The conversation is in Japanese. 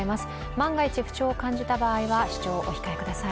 万が一、不調を感じた場合は視聴をお控えください。